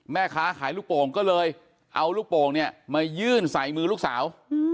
แม่ค้าขายลูกโป่งก็เลยเอาลูกโป่งเนี่ยมายื่นใส่มือลูกสาว